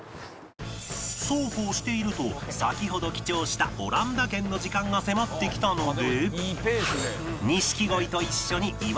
そうこうしていると先ほど記帳したオランダ軒の時間が迫ってきたので